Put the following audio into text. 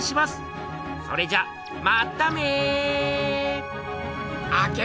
それじゃまため！